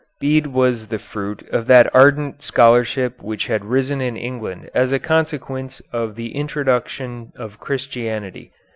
Bede was the fruit of that ardent scholarship which had risen in England as a consequence of the introduction of Christianity.